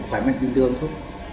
khỏi mạch bình thường không